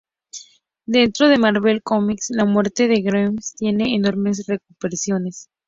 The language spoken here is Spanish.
Dentro de Marvel Comics, la muerte de Gwen Stacy tiene enormes repercusiones.